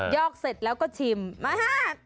อกเสร็จแล้วก็ชิมมาฮะ